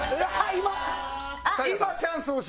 今チャンス大城。